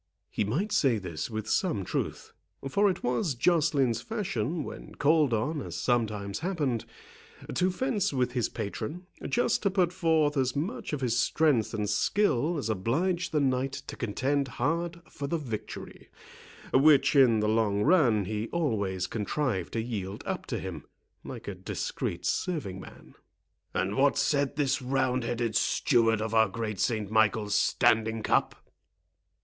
He might say this with some truth; for it was Joceline's fashion, when called on, as sometimes happened, to fence with his patron, just to put forth as much of his strength and skill as obliged the Knight to contend hard for the victory, which, in the long run, he always contrived to yield up to him, like a discreet serving man. "And what said this roundheaded steward of our great Saint Michael's standing cup?"